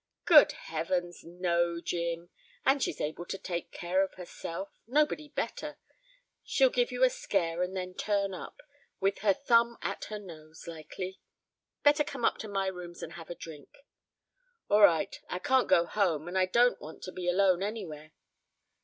"Good Heavens no, Jim! And she's able to take care of herself. Nobody better. She'll give you a scare and then turn up with her thumb at her nose, likely. Better come up to my rooms and have a drink." "Orright. I can't go home and I don't want to be alone anywhere.